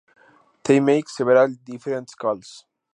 They make several different calls.